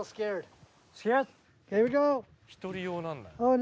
１人用なんだ。